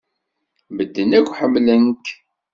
Medden akk ḥemmlen-k.